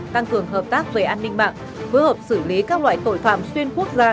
tăng cường hợp tác về an ninh mạng phối hợp xử lý các loại tội phạm xuyên quốc gia